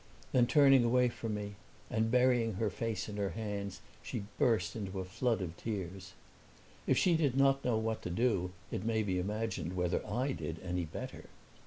Then turning away from me and burying her face in her hands she burst into a flood of tears. If she did not know what to do it may be imagined whether I did any better.